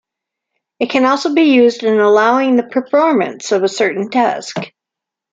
It can also be used in allowing the performance of a certain task.